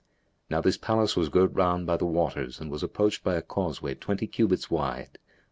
Now this palace was girt round by the waters and was approached by a causeway twenty cubits wide.